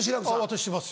私します。